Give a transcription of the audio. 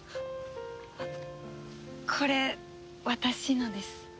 これ私のです。